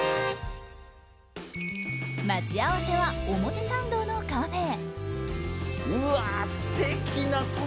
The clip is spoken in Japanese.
待ち合わせは表参道のカフェ。